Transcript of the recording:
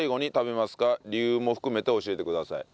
理由も含めて教えてください。